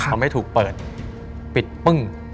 มันไม่ถูกเปิดปิดปึ้ง